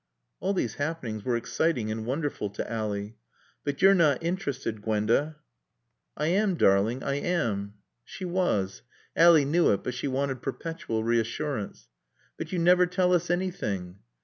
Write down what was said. All these happenings were exciting and wonderful to Ally. "But you're not interested, Gwenda." "I am, darling, I am." She was. Ally knew it but she wanted perpetual reassurance. "But you never tell us anything."